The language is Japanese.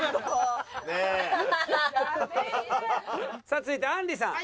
さあ続いてあんりさん。